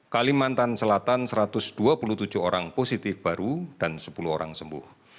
kalimantan selatan satu ratus dua puluh tujuh orang positif baru dan sepuluh orang sembuh